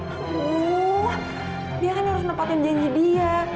aduh dia kan harus nepatin janji dia